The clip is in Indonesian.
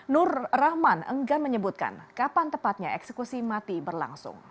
nur rahman enggan menyebutkan kapan tepatnya eksekusi mati berlangsung